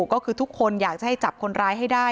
ก็คือทุกคนอยากจะให้จับคนร้ายให้ได้